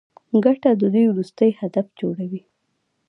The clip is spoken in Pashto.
ګټه د دوی وروستی هدف جوړوي